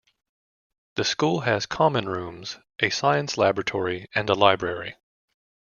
The school has common rooms, a science laboratory and a library.